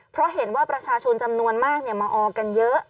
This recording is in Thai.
เพราะเห็นว่าประชาชนจำนวนมากมาออกกันเยอะ